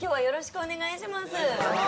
よろしくお願いします。